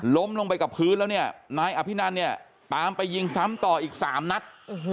ล้มลงไปกับพื้นแล้วนายอภินันตามไปยิงซ้ำต่ออีก๓นัท